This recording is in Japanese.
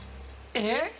えっ？